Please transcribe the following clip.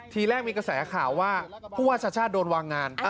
ทีแรกมีกระแสข่าวว่าพวกชัดโดนวางงาน